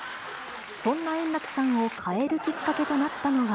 そんな円楽さんを変えるきっかけとなったのは。